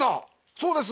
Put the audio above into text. そうです。